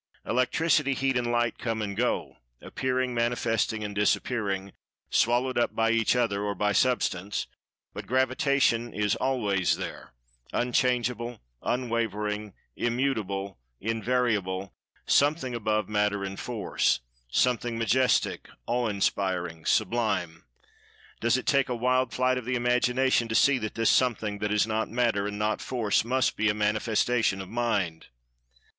Electricity, Heat and Light come and go, appearing, manifesting and disappearing, swallowed up by each other, or by Substance. But Gravitation is always there—unchangeable—unwavering—immutable—invariable—Something above Matter and Force—something majestic, awe inspiring, sublime! Does it take a wild flight of the imagination to see that this Something, that is not Matter, and nor Force, must be a manifestation of Mind?